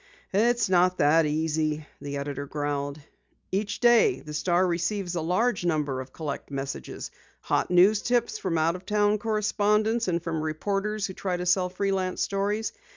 "It's not that easy," the editor growled. "Each day the Star receives a large number of 'collect' messages, hot news tips from out of town correspondents and from reporters who try to sell free lance stories.